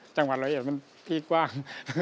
จังหวัด๑๐๑มันที่กว้าง